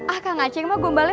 ah kak ngaceng mah gombalnya